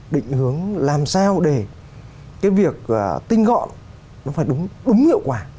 định hướng làm sao để cái việc tinh gọn nó phải đúng hiệu quả